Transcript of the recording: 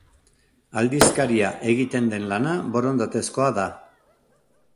Aldizkaria egiten den lana borondatezkoa da.